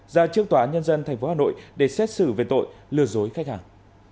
ra trước tòa án nhân dân tp hà nội để xét xử về tội lừa dối khách hàng